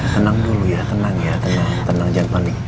tenang dulu ya tenang tenang jangan panik